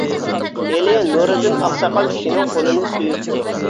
ئېلى نۇرىدىن ئاقساقال كىشىنىڭ قولىنى سۆيۈپتۇ.